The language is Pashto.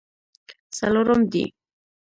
څلورم دی.